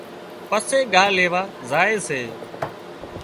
پسي ڳاهَ ليوا زائي سي۔